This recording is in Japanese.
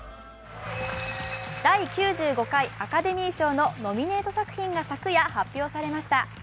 第９５回アカデミー賞のノミネート作品が昨夜発表されました。